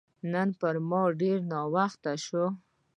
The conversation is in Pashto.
نن پر ما ډېر ناوخته شو